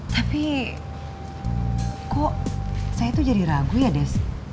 tapi kok saya tuh jadi ragu ya des